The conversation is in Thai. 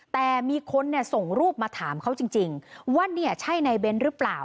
แต่มีคนส่งรูปมาถามเขาจริงว่าเนี่ยใช่ในเบ้นหรือเปล่า